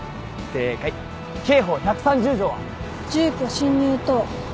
住居侵入等。